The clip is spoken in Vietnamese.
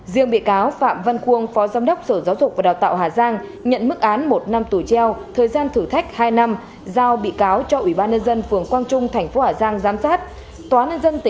riêng bị cáo phạm văn cuông phó giám đốc sở giáo dục và đào tạo hà giang nhận mức án một năm tù treo thời gian thử thách hai năm giao bị cáo cho ủy ban nhân dân phường quang trung thành phố hà giang giám sát